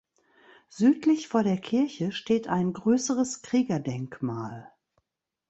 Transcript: Südlich vor der Kirche steht ein größeres Kriegerdenkmal.